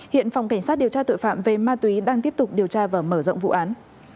hiện phòng cảnh sát điều tra tội phạm về ma túy đang tiếp tục điều tra và mở rộng vụ án